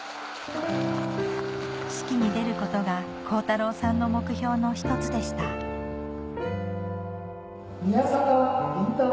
式に出ることが恒太朗さんの目標の１つでした宮坂凜太郎。